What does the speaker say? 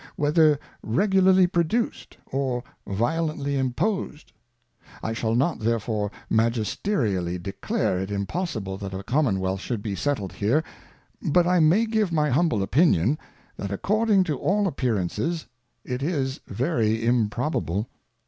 Whether regularly produced, or violently imposed ? I shall not therefore Magisterially declare it impossible that a Commonwealth should be settled here ; but I may give my humble Opinion, that according to all appearances, it is very improbable.